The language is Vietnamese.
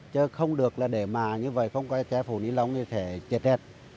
chứ không được là để mà như vậy không có trang phủ nilon thì phải chệt chệt